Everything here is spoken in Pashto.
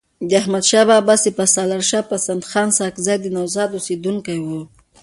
د احمدشاه بابا سپه سالارشاه پسندخان ساکزی د نوزاد اوسیدونکی وو.